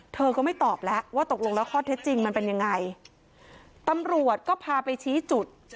เธอก็ไม่ตอบแล้วว่าตกลงแล้วข้อเท็จจริงมันเป็นยังไงตำรวจก็พาไปชี้จุด